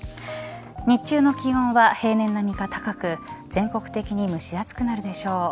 日中の気温は平年並みか高く全国的に蒸し暑くなるでしょう。